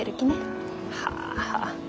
はあ。